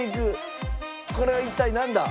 これは一体なんだ？